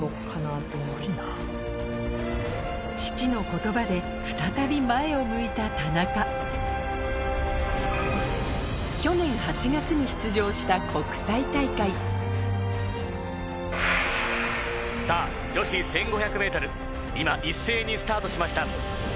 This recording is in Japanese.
父の言葉で再び前を向いた田中去年８月に出場した国際大会さぁ女子１５００ｍ今一斉にスタートしました。